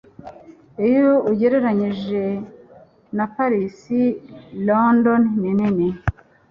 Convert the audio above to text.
Iyo ugereranije na Paris London ni nini